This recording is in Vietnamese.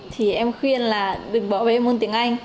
thì em khuyên là các môn tiếng anh